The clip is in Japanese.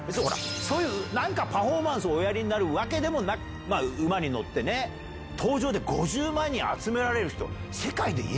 何かパフォーマンスをおやりになるわけでもなく馬に乗って登場で５０万人集められる人。